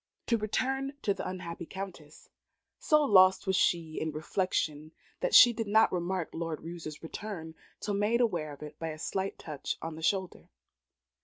To return to the unhappy Countess. So lost was she in reflection, that she did not remark Lord Roos's return till made aware of it by a slight touch on the shoulder.